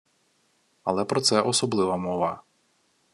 Але про це особлива мова